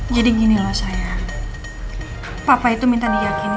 jadi gini loh sayang papa itu minta diakini